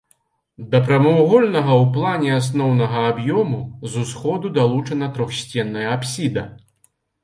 Да прамавугольнага ў плане асноўнага аб'ёму з усходу далучана трохсценная апсіда.